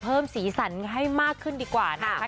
เพิ่มสีสันให้มากขึ้นดีกว่านะครับ